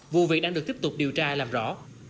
vụ việc đang được tiếp tục điều tra làm rõ